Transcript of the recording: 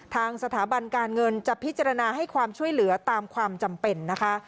ทางสถาบันการเงินจะพิจารณาให้ความช่วยเหลือตามความจำเป็นนะคะ